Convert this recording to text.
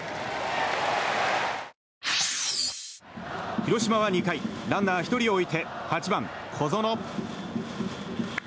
広島は２回ランナーを１人置いて８番、小園。